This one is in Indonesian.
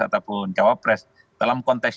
ataupun cawapres dalam konteks